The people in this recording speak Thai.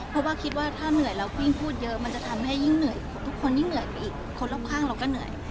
เพราะว่าคิดว่าถ้าเหนื่อยแล้วกิ้งพูดเยอะมันจะทำให้ยิ่งเหนื่อยทุกคนยิ่งเหนื่อยไปอีกคนรอบข้างเราก็เหนื่อย